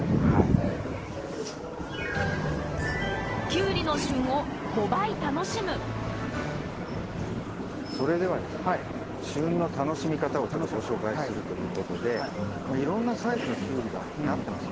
キュウリのそれではですね旬の楽しみ方をちょっとご紹介するということでまあいろんなサイズのキュウリがなってますよね。